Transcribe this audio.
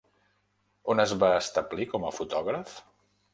On es va establir com a fotògraf?